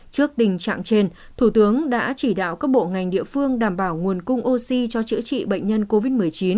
trước tình trạng trên thủ tướng đã chỉ đạo các bộ ngành địa phương đảm bảo nguồn cung oxy cho chữa trị bệnh nhân covid một mươi chín